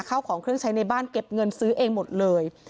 เข้าของเครื่องใช้ในบ้านเก็บเงินซื้อเองหมดเลย